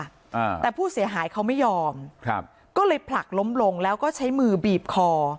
อ่าแต่ผู้เสียหายเขาไม่ยอมครับก็เลยผลักล้มลงแล้วก็ใช้มือบีบคอ